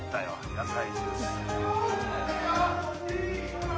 野菜ジュース。